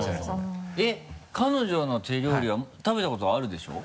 えっ彼女の手料理は食べたことあるでしょ？